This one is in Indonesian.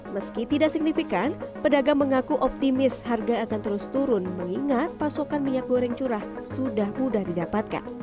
meski tidak signifikan pedagang mengaku optimis harga akan terus turun mengingat pasokan minyak goreng curah sudah mudah didapatkan